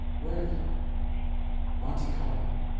Where, then? Monte Carlo!